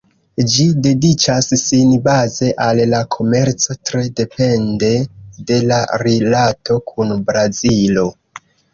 Ĝi dediĉas sin baze al la komerco, tre depende de la rilato kun Brazilo.